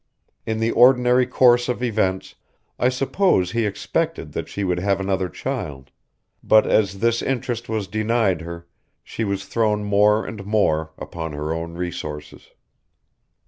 In the ordinary course of events I suppose he expected that she would have another child, but as this interest was denied her, she was thrown more and more upon her own resources.